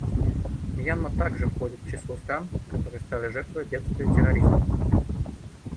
Мьянма также входит в число стран, которые стали жертвой бедствия терроризма.